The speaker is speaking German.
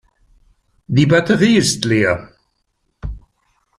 Die Batterie ist leer.